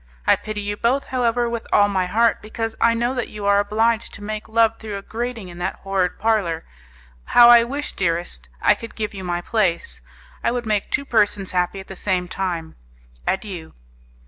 I pity you both, however, with all my heart, because I know that you are obliged to make love through a grating in that horrid parlour. How I wish, dearest, I could give you my place! I would make two persons happy at the same time! Adieu!"